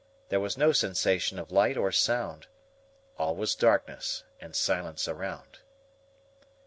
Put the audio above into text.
There was no sensation of light or sound. All was darkness and silence around.